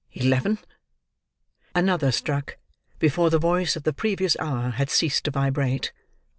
Eleven! Another struck, before the voice of the previous hour had ceased to vibrate.